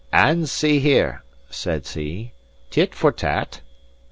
"And see here," says he, "tit for tat."